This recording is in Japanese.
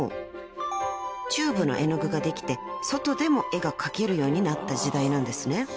［チューブの絵の具ができて外でも絵が描けるようになった時代なんですね］